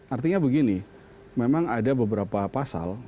artinya begini memang ada beberapa pasal